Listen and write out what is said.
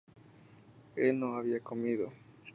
él no había comido